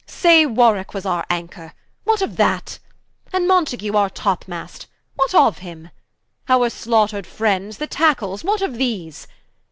Say Warwicke was our Anchor: what of that? And Mountague our Top Mast: what of him? Our slaught'red friends, the Tackles: what of these?